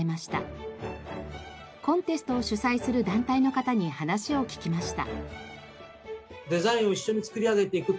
コンテストを主催する団体の方に話を聞きました。